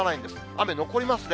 雨残りますね。